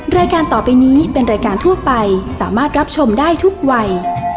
รายการต่อไปนี้เป็นรายการทั่วไปสามารถรับชมได้ทุกวัย